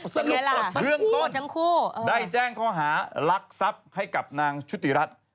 สำหรับเรื่องต้นได้แจ้งข้อหารักษัพให้กับนางชุติรัติ